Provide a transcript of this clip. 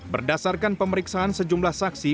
berdasarkan pemeriksaan sejumlah saksi